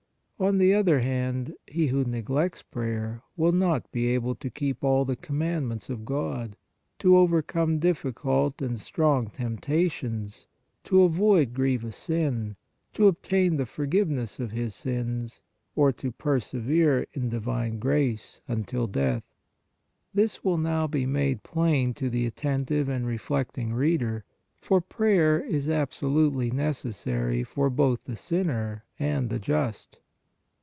On the other hand, he who neg lects prayer, will not be able to keep all the com mandments of God, to overcome difficult and strong temptations, to avoid grievous sin, to obtain the PRAYER OF PETITION 17 forgiveness of his sins, or to persevere in divine grace until death. This will now be made plain to the attentive and reflecting reader, for prayer is absolutely necessary for both the sinner and the just.